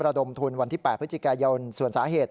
ระดมทุนวันที่๘พฤศจิกายนส่วนสาเหตุ